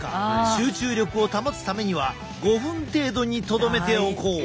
集中力を保つためには５分程度にとどめておこう。